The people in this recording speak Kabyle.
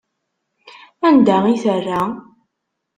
Anda i terra?